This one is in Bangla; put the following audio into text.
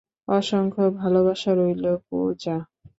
অসংখ ভালোবাসা রইলো, পূজা।